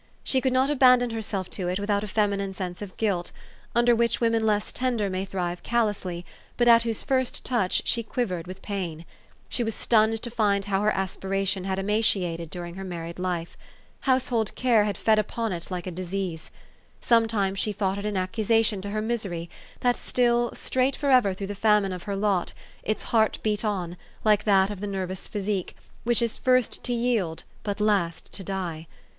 She could not abandon herself to it without a feminine sense of guilt, under which women less tender may thrive callously, but at whose first touch she quivered with pain. She was stunned to find how her aspiration had ema ciated during her married life. Household care had fed upon it like a disease. Sometimes she thought it an accession to her misery, that still, straight forever through the famine of her lot, its heart beat on, like that of the nervous ph}*sique, which is first to yield, but last to die.